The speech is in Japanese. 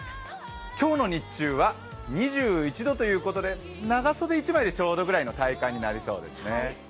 今日の日中は２１度ということで、長袖１枚でちょうどいいくらいの体感になりそうですね。